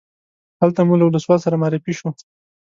هلته مو له ولسوال سره معرفي شوو.